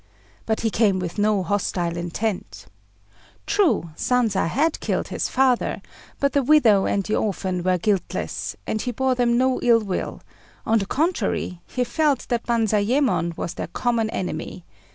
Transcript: But he came with no hostile intent. True, Sanza had killed his father, but the widow and the orphan were guiltless, and he bore them no ill will; on the contrary, he felt that Banzayémon was their common enemy.